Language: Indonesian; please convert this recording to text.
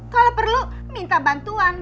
kalau perlu minta bantuan